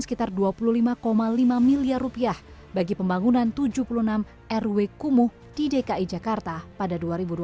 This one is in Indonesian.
sekitar dua puluh lima lima miliar rupiah bagi pembangunan tujuh puluh enam rw kumuh di dki jakarta pada dua ribu dua puluh